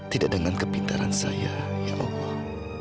tidak dengan kepintaran saya ya allah